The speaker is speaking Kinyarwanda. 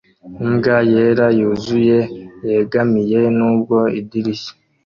Imbwa yera yuzuye yegamiye nubwo idirishya